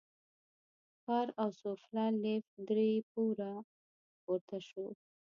ښکار او سوفله، لېفټ درې پوړه پورته شو.